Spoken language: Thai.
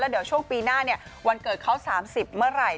เดี๋ยวช่วงปีหน้าวันเกิดเขา๓๐เมื่อไหร่